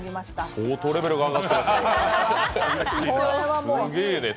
相当レベルが上がりましたね。